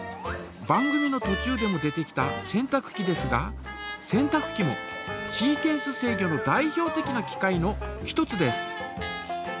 番組のとちゅうでも出てきた洗濯機ですが洗濯機もシーケンス制御の代表的な機械の一つです。